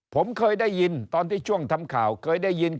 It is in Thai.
ผมเคยได้ยินตอนที่ช่วงทำข่าวเคยได้ยิน